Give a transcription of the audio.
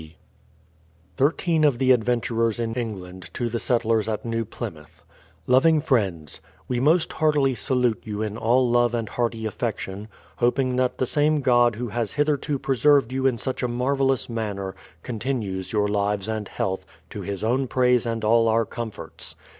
C. Thirteen of the Adventurers in England to the Settlers at New Plymouth: Loving Friends, We most heartily salute you in all love and hearty affection, hoping that the same God Who has hitherto preserved you in such a marvellous manner, continues your lives and health, to His own praise and all our comforts.